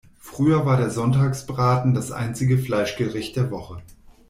Früher war der Sonntagsbraten das einzige Fleischgericht der Woche.